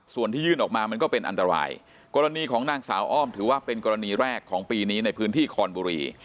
ส่วนที่ยื่นออกมามันก็เป็นอันตรายกรณีของนางสาวอ้อมถือว่าเป็นกรณีแรกของปีนี้ในพื้นที่คอนบุรี